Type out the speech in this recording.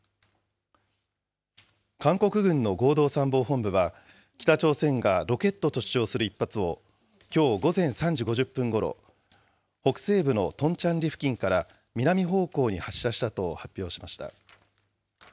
韓国軍の合同参謀本部は、北朝鮮がロケットと主張する１発を、きょう午前３時５０分ごろ、北西部のトンチャンリ付近から南方向に発射したと発表しました。